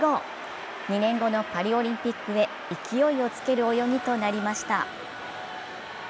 ２年後のパリオリンピックへ勢いをつける泳ぎとなりました。